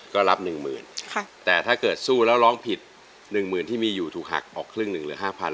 ก็รับ๑หมื่นแต่ถ้าเกิดสู้แล้วร้องผิด๑หมื่นที่มีอยู่ถูกหักออกครึ่ง๑หรือ๕พัน